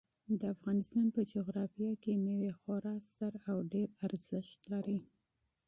د افغانستان په جغرافیه کې مېوې خورا ستر او ډېر اهمیت لري.